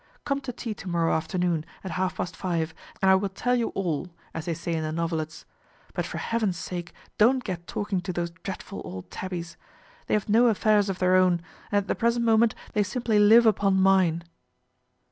Come to tea to morrow afternoon at half past five and I will tell you all, as they say in the novelettes ; but for heaven's sake don't get talking to those dreadful old tabbies. They have no affairs of their own, and at the present moment they simply live upon mine."